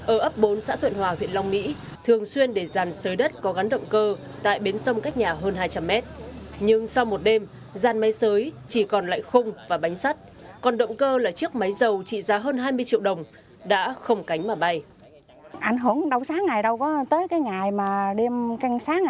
ở ấp ba xã tận hòa huyện long mỹ tỉnh hậu giang không tin vào mắt mình khi chiếc vỏ lãi composite dài gần một mươi mét gắn máy dầu trở đầy gắn máy dầu trở đầy gắn